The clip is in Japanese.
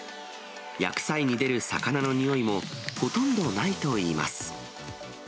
焼く際に出る魚のにおいもほとんどないといいます。